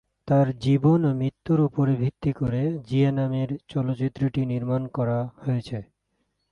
তার জীবন ও মৃত্যুর উপর ভিত্তি করে "জিয়া" নামের চলচ্চিত্রটি নির্মাণ করা হয়েছে।